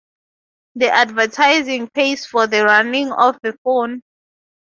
The advertising pays for the running of the phone.